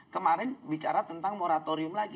kemarin bicara tentang moratorium lagi